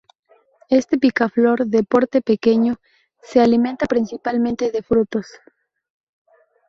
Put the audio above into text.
Este picaflor de porte pequeño, se alimenta principalmente de frutos.